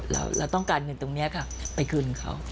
เราต้องการเงินตรงนี้ค่ะไปคืนเขา